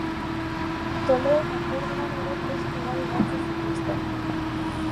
Toledo eta Kordoban ere testu ugari idatzi zituzten.